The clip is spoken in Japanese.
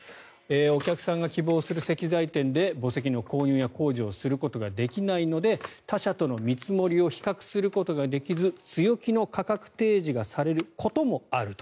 お客さんが希望する石材店で墓石の購入や工事をすることができないので他社との見積もりを比較することができず強気の価格提示がされることもあると。